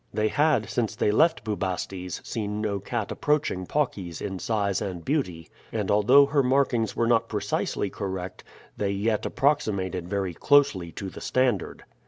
They had, since they left Bubastes, seen no cat approaching Paucis in size and beauty, and although her markings were not precisely correct, they yet approximated very closely to the standard.